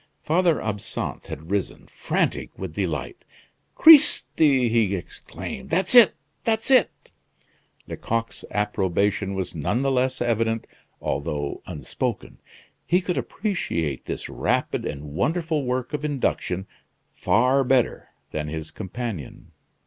Father Absinthe had risen, frantic with delight. "Cristi!" he exclaimed, "that's it! that's it!" Lecoq's approbation was none the less evident although unspoken. He could appreciate this rapid and wonderful work of induction far better than his companion.